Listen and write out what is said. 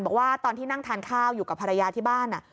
บอกว่าตอนที่นั่งทานข้าวอยู่กับภรรยาที่บ้าน